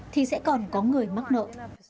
thì sẽ còn có người mắc nợ